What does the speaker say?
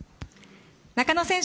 中野選手